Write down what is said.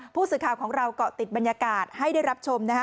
ผู้สื่อข่าวของเราเกาะติดบรรยากาศให้ได้รับชมนะฮะ